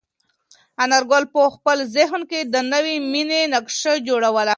انارګل په خپل ذهن کې د نوې مېنې نقشه جوړوله.